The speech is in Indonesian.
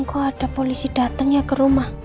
kok ada polisi datang ya ke rumah